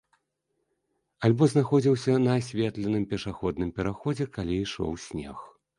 Альбо знаходзіўся на асветленым пешаходным пераходзе, калі ішоў снег.